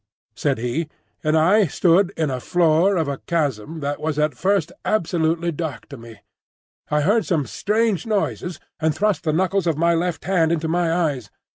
said he, and I stood in a floor of a chasm that was at first absolutely dark to me. I heard some strange noises, and thrust the knuckles of my left hand into my eyes.